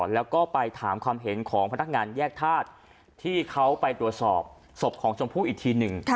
แล้วก็ไปถามความเห็นของพนักงานแยกธาตุที่เขาไปตรวจสอบศพของชมพู่อีกทีหนึ่ง